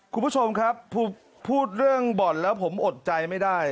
คุณผู้ชมครับพูดเรื่องบ่อนแล้วผมอดใจไม่ได้